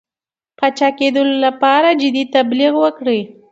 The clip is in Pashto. پاچاکېدلو لپاره جدي تبلیغ وکړي.